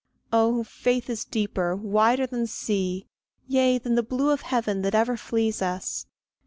Oh, faith is deeper, wider than the sea, Yea, than the blue of heaven that ever flees us!